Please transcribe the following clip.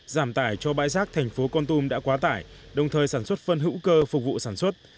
giảm tải cho bãi rác thành phố con tum đã quá tải đồng thời sản xuất phân hữu cơ phục vụ sản xuất